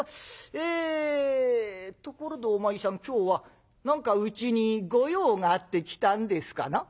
ええところでお前さん今日は何かうちに御用があって来たんですかな？」。